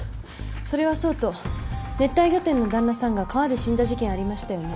それはそうと熱帯魚店の旦那さんが川で死んだ事件ありましたよね？